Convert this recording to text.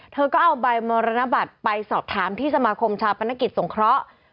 เธอก็เอาใบมรณบัตรไปสอบถามที่สมาคมชาปนกิจสงเคราะห์